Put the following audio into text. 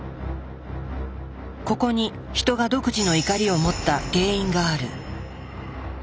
ここにヒトが独自の怒りを持った原因がある。